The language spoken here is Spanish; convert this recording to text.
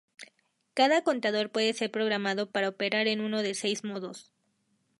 Cada contador puede ser programado para operar en uno de seis modos.